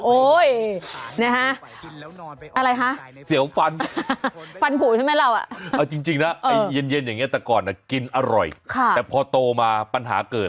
โอ้ยอะไรฮะเสียวฟันฟันผูนใช่มั้ยเราจริงนะเย็นอย่างเงี้ยแต่ก่อนกินอร่อยแต่พอโตมาปัญหาเกิด